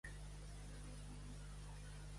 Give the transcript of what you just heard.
Parèixer que no ho gasta i ho porta cada dia.